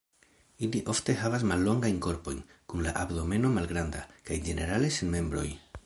Ili ofte havas mallongajn korpojn, kun la abdomeno malgranda, kaj ĝenerale sen membroj.